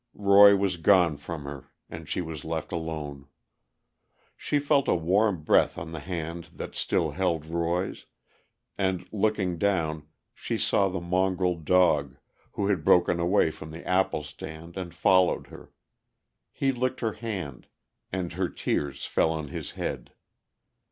Roy was gone from her, and she was left alone. She felt a warm breath on the hand that still held Roy's, and, looking down, she saw the mongrel dog, who had broken away from the apple stand and followed her. He licked her hand, and her tears fell on his head.